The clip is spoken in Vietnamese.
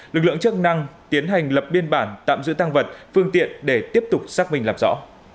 lực lượng chức năng tiến hành lập biên bản tạm giữ tăng vật phương tiện để tiếp tục xác minh làm rõ